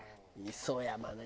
磯山ね。